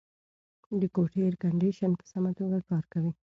د کوټې اېرکنډیشن په سمه توګه کار کوي.